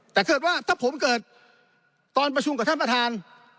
แต่เกิดว่าถ้าผมเกิดตอนประชุมกับท่านประธาน